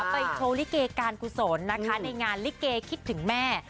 โชว์ลิเกการกุศลนะคะในงานลิเกคิดถึงแม่